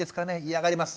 嫌がります。